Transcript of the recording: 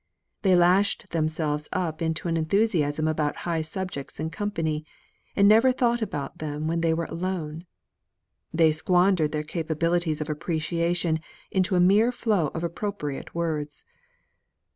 They lashed themselves up into an enthusiasm about high subjects in company, and never thought about them when they were alone; they squandered their capabilities of appreciation into a mere flow of appropriate words.